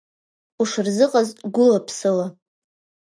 Ушырзыҟаз гәыла-ԥсыла.